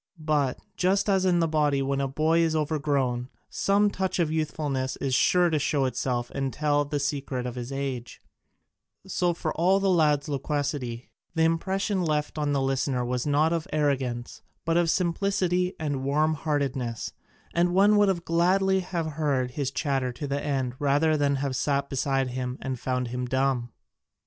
But, just as in the body when a boy is overgrown, some touch of youthfulness is sure to show itself and tell the secret of his age, so for all the lad's loquacity, the impression left on the listener was not of arrogance, but of simplicity and warm heartedness, and one would gladly have heard his chatter to the end rather than have sat beside him and found him dumb.